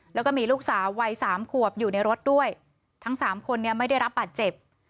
แล้วก็มีลูกสาววัยสามขวบอยู่ในรถด้วยทั้งสามคนเนี่ยไม่ได้รับบาดเจ็บ